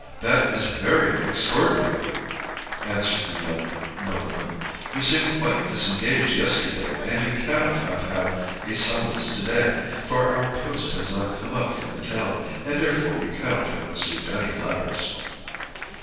"That is very extraordinary," answered the young nobleman. "You seemed quite disengaged yesterday, and you cannot have had a summons to day; for our post has not come up from the town, and therefore you cannot have received any letters."